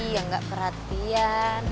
yang enggak perhatian